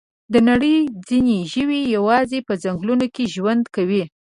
د نړۍ ځینې ژوي یوازې په ځنګلونو کې ژوند کوي.